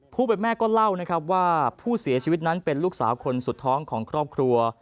ผู้เป็นแม่ก็เล่านะครับว่าผู้เสียชีวิตนั้นเป็นลูกสาวคนสุดท้องของครอบครัว